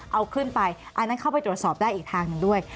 เอาขึ้นไปอันนั้นเข้าไปตรวจสอบได้อีกทางหนึ่งด้วย